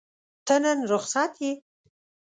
ته نن رخصت یې؟